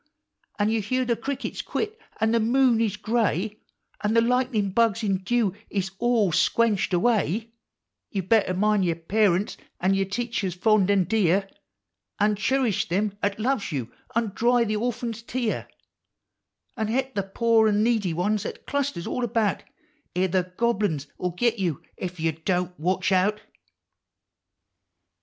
An' you hear the crickets quit, an' the moon is gray, An' the lightnin' bugs in dew is all squenched away, — You better mind yer parents, and yer teachers fond and dear, An' churish them 'at loves you, an' dry the or phant's tear, An' he'p the pore an' needy ones 'at clusters all about, I> the Gobble uns '11 git you Ef you Don't Watch Out!